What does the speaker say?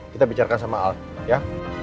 kita bicarakan sama al ya